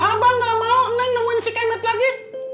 abang gak mau nemuin si kemet lagi